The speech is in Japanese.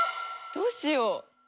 どうしよう。